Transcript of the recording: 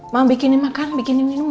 mau bikinin makan bikinin minum mau